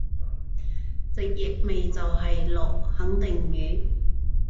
直譯咪就係落肯定雨？